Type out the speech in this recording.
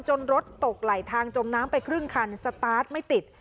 รถตกไหลทางจมน้ำไปครึ่งคันสตาร์ทไม่ติด